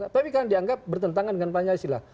tapi kan dianggap bertentangan dengan pancasila